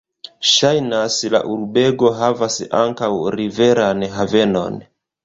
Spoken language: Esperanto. Ŝajnas, la urbego havas ankaŭ riveran havenon.